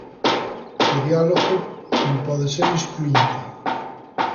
O diálogo non pode ser excluínte.